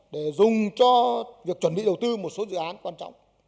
để dùng cho việc chuẩn bị đầu tư một số dự án quan trọng